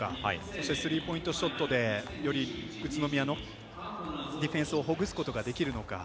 そしてスリーポイントショットでより宇都宮のディフェンスをほぐすことができるのか。